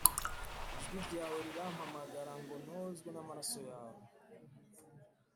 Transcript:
Ijwi ryawe rirampamagara ngo nozwe n’amaraso yawe